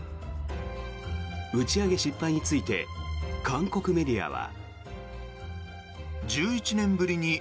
打ち上げ失敗について韓国メディアは。